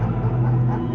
aku mau ke rumah